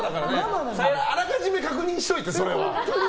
あらかじめ確認しといてそれは。